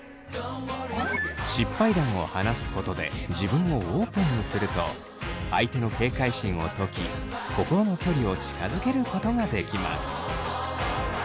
失敗談を話すことで自分をオープンにすると相手の警戒心を解き心の距離感を近づけることができます。